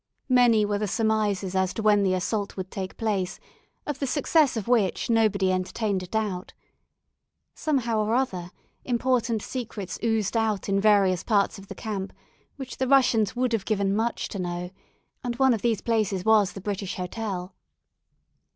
Many were the surmises as to when the assault would take place, of the success of which nobody entertained a doubt. Somehow or other, important secrets oozed out in various parts of the camp, which the Russians would have given much to know, and one of these places was the British Hotel.